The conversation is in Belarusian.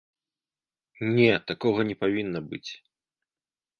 Не, такога не павінна быць!